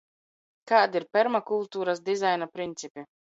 Kādi ir permakultūras dizaina principi?